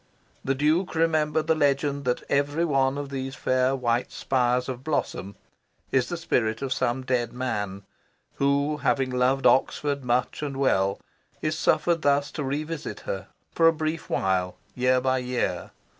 The Duke remembered the legend that every one of these fair white spires of blossom is the spirit of some dead man who, having loved Oxford much and well, is suffered thus to revisit her, for a brief while, year by year.